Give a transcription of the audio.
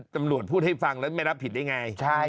ตำรวจพูดให้ฟังแล้วไม่รับผิดได้ไง